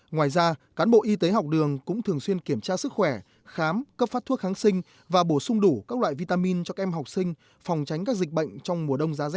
ngoài ra cán bộ y tế học đường cũng thường xuyên kiểm tra sức khỏe khám cấp phát thuốc kháng sinh và bổ sung đủ các loại vitamin cho các em học sinh phòng tránh các dịch bệnh trong mùa đông giá rét